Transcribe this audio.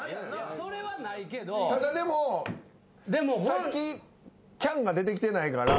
さっきキャンが出てきてないから。